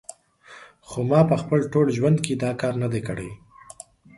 خو ما په خپل ټول ژوند کې دا کار نه دی کړی